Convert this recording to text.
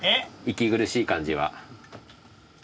息苦い感じは？